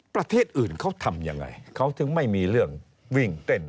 ประเทศอื่นเขาทำยังไงเขาถึงไม่มีเรื่องวิ่งเต้น